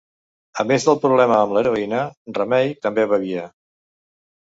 A més del problema amb l'heroïna, Ramey també bevia.